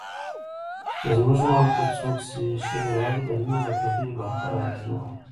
چې زموږ ملک ته څوک شی راوړي دننه، له پردیو به هغه راهداري غواړي